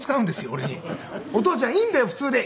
「お父ちゃんいいんだよ普通で」